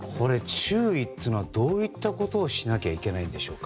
注意というのはどういったことをしなきゃいけないんでしょうか？